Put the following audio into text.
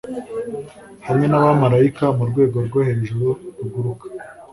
Hamwe nabamarayika murwego rwo hejuru ruguruka